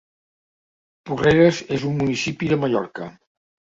Porreres és un municipi de Mallorca.